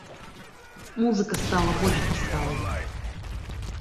Музыка стала больш яскравай.